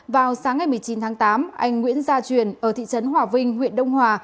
vào sáng ngày một mươi chín tháng tám anh nguyễn gia truyền ở thị trấn hòa vinh huyện đông hòa